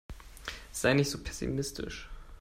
Sei nicht so pessimistisch.